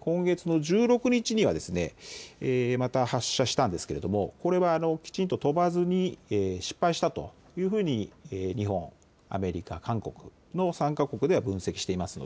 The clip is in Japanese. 今月の１６日にはまた発射したんですがこれはきちんと飛ばずに失敗したと日本、アメリカ、韓国の３か国では分析しています。